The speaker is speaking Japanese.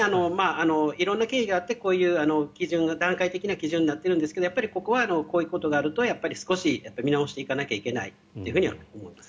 色んな経緯があってこういう段階的な基準になっているんですけどここはこういうことがあると少し、見直していかないといけないと思います。